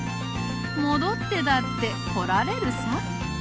もどってだってこられるさ。